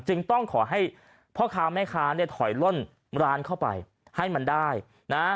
จึงต้องขอให้พ่อค้าแม่ค้าเนี่ยถอยล่นร้านเข้าไปให้มันได้นะ